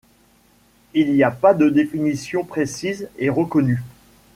Il n'y a pas de définitions précises et reconnues.